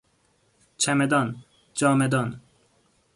چمدان، جامهدان